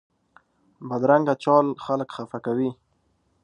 بدرنګه چال خلک خفه کوي